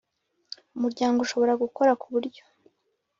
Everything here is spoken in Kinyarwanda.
Umuryango ushobora gukora kuburyo